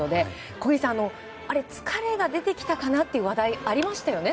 小木さん、疲れが出てきたかなという話題がありましたよね。